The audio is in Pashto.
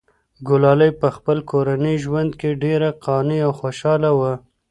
ګلالۍ په خپل کورني ژوند کې ډېره قانع او خوشحاله وه.